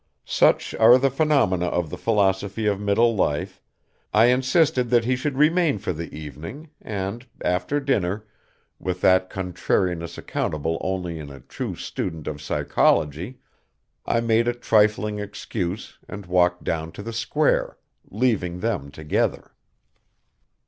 Such are the phenomena of the philosophy of middle life, I insisted that he should remain for the evening, and, after dinner, with that contrariness accountable only in a true student of psychology, I made a trifling excuse and walked down to the square, leaving them together.